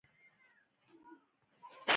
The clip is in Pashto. نو زیات څه نه شې زده کولای دا حقیقت دی.